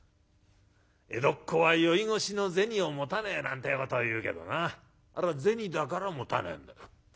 江戸っ子は宵越しの銭を持たねえなんてえことをいうけどなあれは銭だから持たねえんだよ。